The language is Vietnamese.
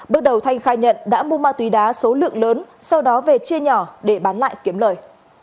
bước đầu thanh khai nhận đã mua ma túy đá số lượng lớn sau đó về chia nhỏ để bán lại kiếm lời